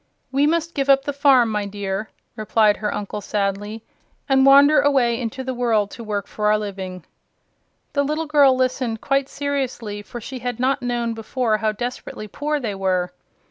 "We must give up the farm, my dear," replied her uncle sadly, "and wander away into the world to work for our living." The girl listened quite seriously, for she had not known before how desperately poor they were.